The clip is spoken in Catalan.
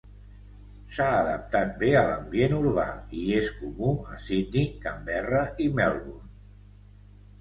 S'ha adaptat bé a l'ambient urbà i és comú a Sydney, Canberra i Melbourne.